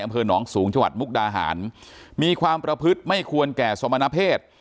อำเภอหนองสูงจังหวัดมุกดาหารมีความประพฤติไม่ควรแก่สมณเพศ